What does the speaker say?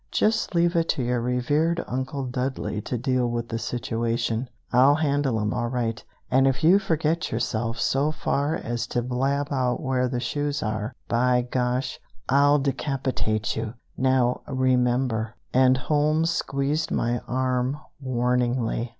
Just leave it to your revered Uncle Dudley to deal with the situation. I'll handle 'em, all right; and if you forget yourself so far as to blab out where the shoes are, by Gosh, I'll decapitate you! Now, remember!" And Holmes squeezed my arm warningly.